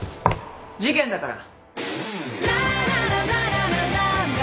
事件だから。